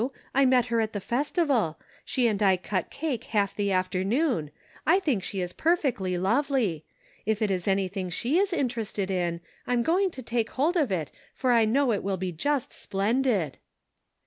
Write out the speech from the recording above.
I met her at the festival; she and I cut cake half the after noon. I think she is perfectly lovely ! If it is anything she is interested in, I'm going to take hold of it for I know it will be just splendid."